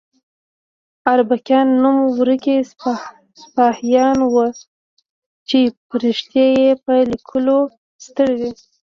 اربکیان نوم ورکي سپاهیان وو چې فرښتې یې په لیکلو ستړې وي.